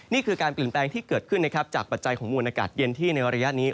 นี่คือการเปลี่ยนแปลงที่เกิดขึ้นนะครับจากปัจจัยของมวลอากาศเย็นที่ในระยะนี้